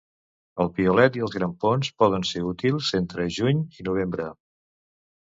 El piolet i els grampons poden ser útils entre juny i novembre.